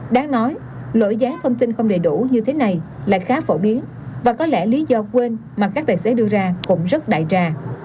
đáng nói lỗi gián thông tin không đầy đủ như thế này lại khá phổ biến và có lẽ lý do quên mà các tài xế đưa ra cũng rất đại trà